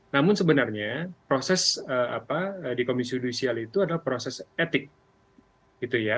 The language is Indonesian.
namun sebenarnya proses apa di komisi judisial itu adalah proses etik gitu ya